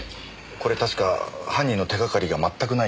これ確か犯人の手がかりがまったくないっていう。